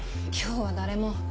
今日は誰も。